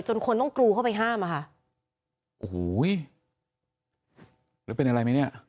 คนต้องกรูเข้าไปห้ามอะค่ะโอ้โหแล้วเป็นอะไรไหมเนี่ย